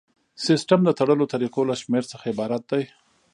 سیسټم د تړلو طریقو له شمیر څخه عبارت دی.